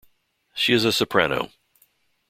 She is a soprano.